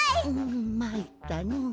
んまいったのう。